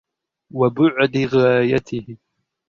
وَبُعْدِ غَايَتِهِ